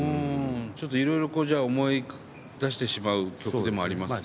ちょっといろいろ、じゃあ思い出してしまう曲でもそうですね。